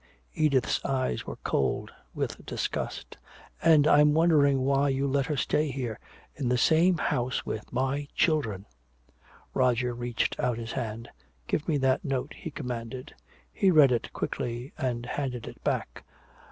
Edith's eyes were cold with disgust. "And I'm wondering why you let her stay here in the same house with my children!" Roger reached out his hand. "Give me that note," he commanded. He read it quickly and handed it back.